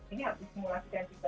ini harus disimulasikan juga